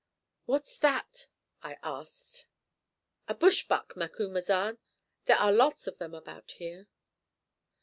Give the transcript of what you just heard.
"What's that?" I asked. "A bush buck, Macumazahn. There are lots of them about here."